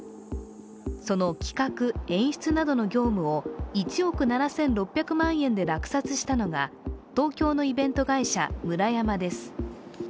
その企画・演出などの業務を１億７６００万円で落札したのが東京のイベント会社、ムラヤマです